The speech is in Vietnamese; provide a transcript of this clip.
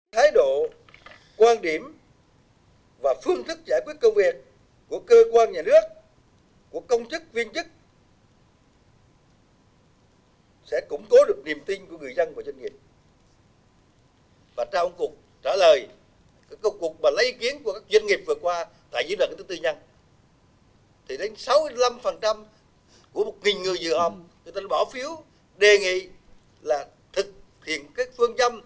thái độ quan điểm và phương thức giải quyết công việc của cơ quan nhà nước